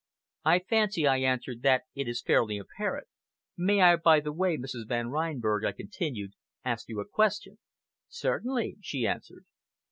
"I fancy," I answered, "that it is fairly apparent. May I, by the way, Mrs. Van Reinberg," I continued, "ask you a question?" "Certainly," she answered.